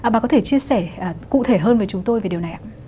bà có thể chia sẻ cụ thể hơn với chúng tôi về điều này ạ